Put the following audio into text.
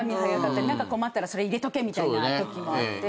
何か困ったらそれ入れとけみたいなときもあって。